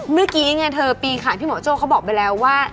เมื่อกี้ไงเธอปีขาดพี่หมอโจ้เขาบอกไปแล้วว่า